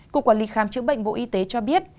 cục quản lý khám chữa bệnh bộ y tế cho biết